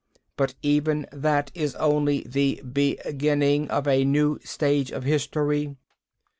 But even that is only the beginning of a new stage of history."